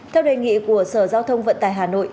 theo đề nghị của sở giao thông vận tải hà nội